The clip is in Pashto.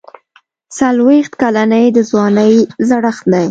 څلوېښت کلني د ځوانۍ زړښت دی.